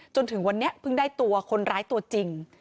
จนถึงวันนี้เพิ่งได้ตัวคนร้ายตัวจริง